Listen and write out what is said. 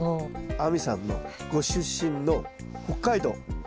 亜美さんのご出身の北海道。